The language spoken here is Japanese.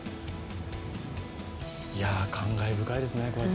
感慨深いですね。